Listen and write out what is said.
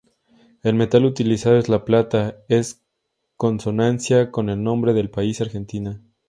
El metal utilizado es la plata, en consonancia con el nombre del país: Argentina.